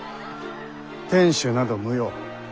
天守など無用。